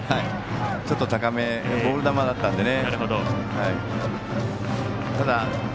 ちょっと高めボール球だったんでね。